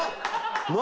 何？